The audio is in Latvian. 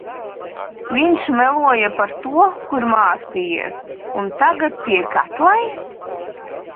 Viņš meloja par to, kur mācījies, un tagad tiek atlaists?